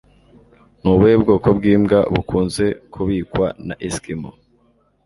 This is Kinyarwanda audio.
Ni ubuhe bwoko bw'imbwa bukunze kubikwa na Eskimo